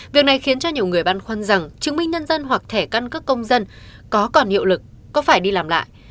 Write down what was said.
việc này khiến cho nhiều người băn khoăn rằng chứng minh nhân dân hoặc thẻ căn cước công dân có còn hiệu lực có phải đi làm lại